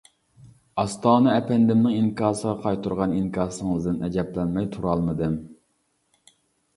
ئاستانە ئەپەندىمنىڭ ئىنكاسىغا قايتۇرغان ئىنكاسىڭىزدىن ئەجەبلەنمەي تۇرالمىدىم.